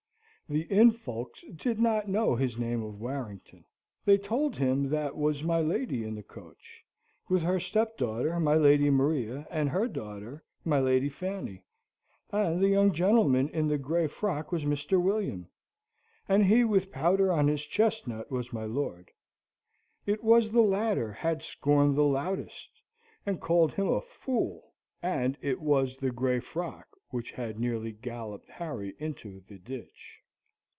The inn folks did not know his name of Warrington. They told him that was my lady in the coach, with her stepdaughter, my Lady Maria, and her daughter, my Lady Fanny; and the young gentleman in the grey frock was Mr. William, and he with powder on the chestnut was my lord. It was the latter had sworn the loudest, and called him a fool; and it was the grey frock which had nearly galloped Harry into the ditch.